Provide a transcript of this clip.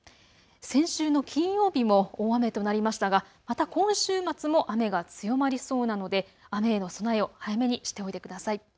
先週の金曜日も大雨となりましたがまた今週末も雨が強まりそうなので雨への備えを早めにしておいてください。